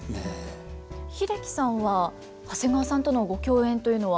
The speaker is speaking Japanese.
英樹さんは長谷川さんとのご共演というのは？